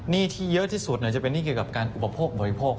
หนี้ที่เยอะที่สุดจะเป็นหนี้เกี่ยวกับการอุปโภคบริโภค